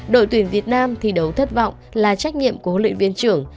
đội tuyển việt nam thi đấu thất vọng là trách nhiệm của huấn luyện viên trưởng